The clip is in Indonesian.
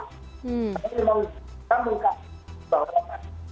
ini memang menunggah kepentingan negara